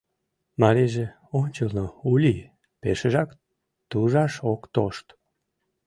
Марийже ончылно Ули пешыжак тужаш ок тошт.